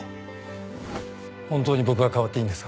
本当に僕が代わっていいんですか？